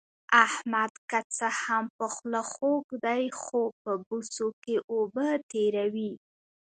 احمد که څه هم په خوله خوږ دی، خو په بوسو کې اوبه تېروي.